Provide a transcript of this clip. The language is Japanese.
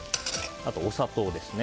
あと、お砂糖ですね。